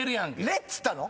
「レ」っつったの？